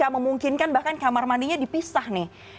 memungkinkan bahkan kamar mandinya dipisah nih